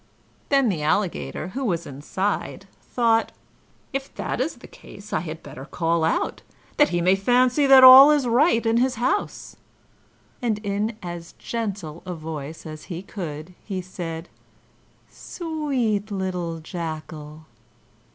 Then the Alligator, who was inside, thought, "If that is the case I had better call out, that he may fancy all is right in his house." And in as gentle a voice as he could, he said, "Sweet little Jackal."